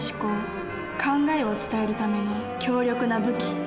考えを伝えるための強力な武器。